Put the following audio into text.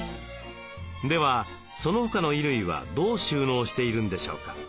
ではその他の衣類はどう収納しているんでしょうか？